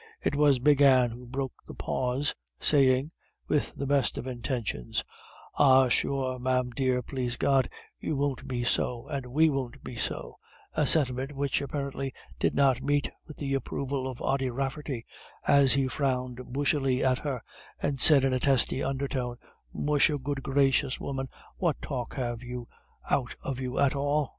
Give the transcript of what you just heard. It was Big Anne who broke the pause, saying, with the best intentions, "Ah, sure, ma'am dear, plase God, you won't be so, and we won't be so;" a sentiment which apparently did not meet with the approval of Ody Rafferty, as he frowned bushily at her and said in a testy undertone, "Musha, good gracious, woman, what talk have you out of you at all?"